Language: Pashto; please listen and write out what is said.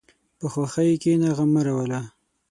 په خوښۍ کښېنه، غم مه راوله.